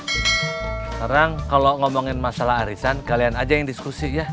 sekarang kalau ngomongin masalah arisan kalian aja yang diskusi ya